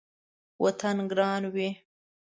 وطن ګران وي